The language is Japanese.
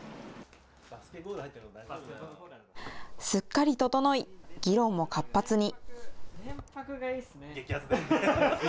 すっかり整い、議論も活発に。